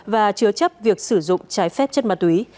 và chứa chấp việc sử dụng trái phép chất ma túy